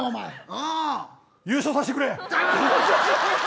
優勝させてくれ。